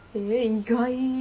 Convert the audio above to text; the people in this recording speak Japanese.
意外？